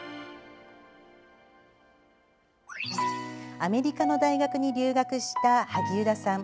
アメリカの大学に留学した萩生田さん。